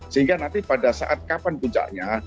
sehingga nanti pada saat kapan puncaknya